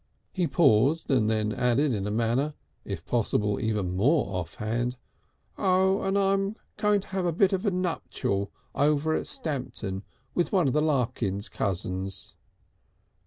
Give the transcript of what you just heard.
He paused, and then added in a manner, if possible, even more offhand: "Oh! and I'm going to have a bit of a nuptial over at Stamton with one of the Larkins cousins."